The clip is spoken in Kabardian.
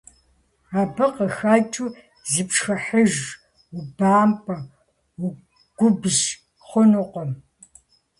Абы къыхэкӀыу, зыпшхыхьыж, убампӀэ, угубжь хъунукъым.